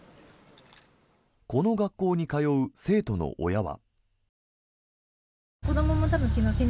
この学校に通う生徒の親は。